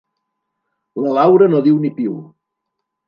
La Laura no diu ni piu.